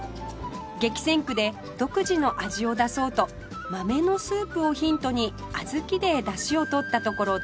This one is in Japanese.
激戦区で独自の味を出そうと豆のスープをヒントにあずきでだしをとったところ大成功